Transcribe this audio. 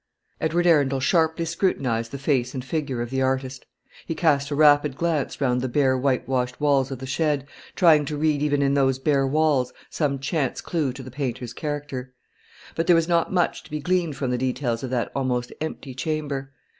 Edward Arundel sharply scrutinised the face and figure of the artist. He cast a rapid glance round the bare whitewashed walls of the shed, trying to read even in those bare walls some chance clue to the painter's character. But there was not much to be gleaned from the details of that almost empty chamber.